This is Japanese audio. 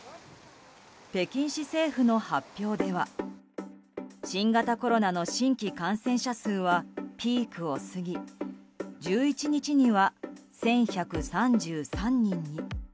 北京市政府の発表では新型コロナの新規感染者数はピークを過ぎ１１日には１１３３人に。